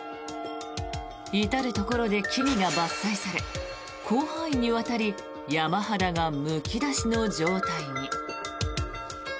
至るところで木々が伐採され広範囲にわたり山肌がむき出しの状態に。